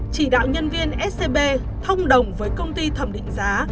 chỉ đạo nhân viên scb thông đồng với công ty thẩm định giá